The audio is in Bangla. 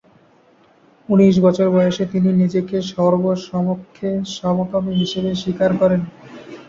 উনিশ বছর বয়সে তিনি নিজেকে সর্বসমক্ষে সমকামী হিসেবে স্বীকার করেন।